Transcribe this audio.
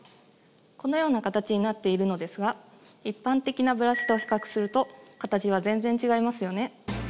このような形になっているのですが一般的なブラシと比較すると形は全然違いますよね